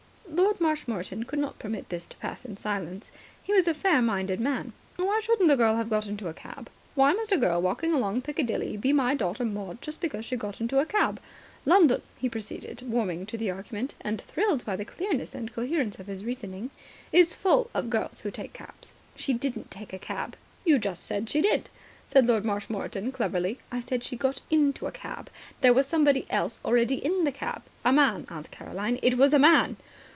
Lord Marshmoreton could not permit this to pass in silence. He was a fair minded man. "Why shouldn't the girl have got into a cab? Why must a girl walking along Piccadilly be my daughter Maud just because she got into a cab. London," he proceeded, warming to the argument and thrilled by the clearness and coherence of his reasoning, "is full of girls who take cabs." "She didn't take a cab." "You just said she did," said Lord Marshmoreton cleverly. "I said she got into a cab. There was somebody else already in the cab. A man. Aunt Caroline, it was the man."